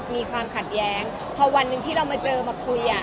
มีความขัดแย้งพอวันหนึ่งที่เรามาเจอมาคุย